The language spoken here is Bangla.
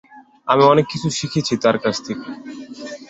আমি অনেক কিছু শিখেছি তাঁর কাছ থেকে।